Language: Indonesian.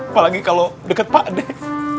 apalagi kalau dekat pak deh